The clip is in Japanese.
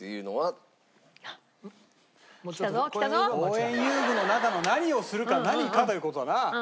公園遊具の中の何をするか何かという事だな？